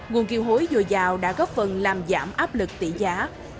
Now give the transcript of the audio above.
nguồn kiều hối dồi dào đã góp phần làm giảm áp lực tỷ giá